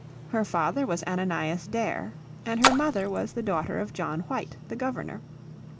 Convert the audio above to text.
Her father was Ananias Dare, and her mother was the daughter of John White, the Governor.